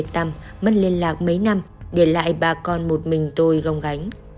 tâm mất liên lạc mấy năm để lại bà con một mình tôi gồng gánh